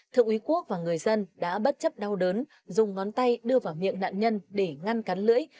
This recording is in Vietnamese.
thượng úy quốc và người dân đã bất chấp đau đớn dùng ngón tay đưa vào miệng nạn nhân để ngăn cắn lưỡi